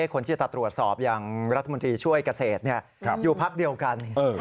คนที่จะตรวจสอบอย่างรัฐมนตรีช่วยเกษตรอยู่พักเดียวกัน